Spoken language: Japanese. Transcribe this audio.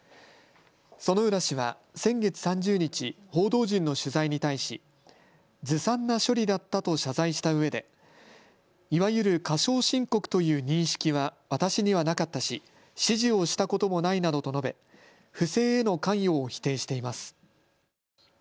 薗浦氏は先月３０日報道陣の取材に対しずさんな処理だったと謝罪したうえでいわゆる過少申告という認識は私にはなかったし指示をしたこともないなどと述べ不正への関与を否定しています。